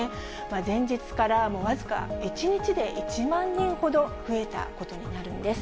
前日から僅か１日で１万人ほど増えたことになるんです。